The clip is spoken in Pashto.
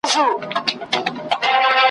تور او سپین او سره او شنه یې وه رنګونه `